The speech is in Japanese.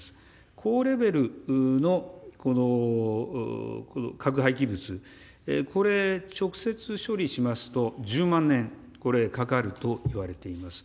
高レベルの核廃棄物、これ、直接処理しますと、１０万年、これかかると言われています。